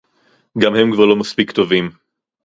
גם הם כבר לא מספיק טובים